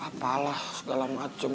apalah segala macem